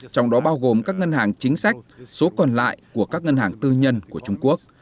trong đó bao gồm các ngân hàng chính sách số còn lại của các ngân hàng tư nhân của trung quốc